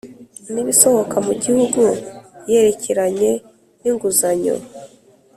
n Ibisohoka mu gihugu yerekeranye n inguzanyo